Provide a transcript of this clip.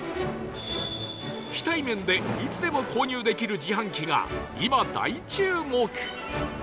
非対面でいつでも購入できる自販機が今大注目